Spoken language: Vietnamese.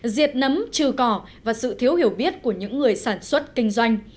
diệt nấm trừ cỏ và sự thiếu hiểu biết của những người sản xuất kinh doanh